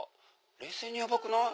冷静にやばくない？